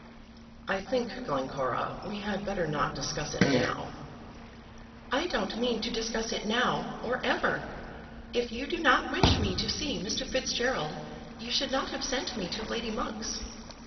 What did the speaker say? "I think, Glencora, we had better not discuss it now." "I don't mean to discuss it now, or ever. If you did not wish me to see Mr. Fitzgerald you should not have sent me to Lady Monk's.